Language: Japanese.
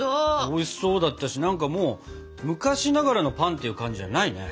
おいしそうだったし何かもう昔ながらのパンっていう感じじゃないね。